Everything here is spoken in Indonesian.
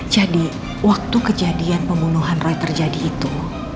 jadi waktu kejadian pembunuhan roy terjadi itu